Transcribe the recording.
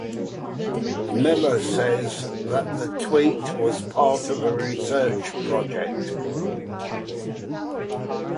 Miller says that the tweet was part of a research project.